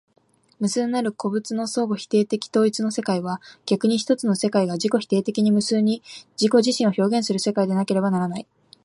無数なる個物の相互否定的統一の世界は、逆に一つの世界が自己否定的に無数に自己自身を表現する世界でなければならない。